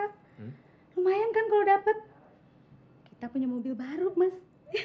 lumayan kan kalau dapat kita punya mobil baru mas